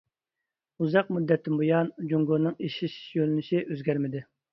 ئۇزاق مۇددەتتىن بۇيان، جۇڭگونىڭ ئېشىش يۆنىلىشى ئۆزگەرمىدى.